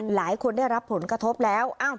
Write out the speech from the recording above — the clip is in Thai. หลายคนได้รับผลกระทบแล้ว